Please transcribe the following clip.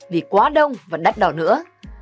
vì quá đông và đắt đỏ nữa